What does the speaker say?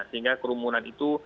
sehingga kerumunan itu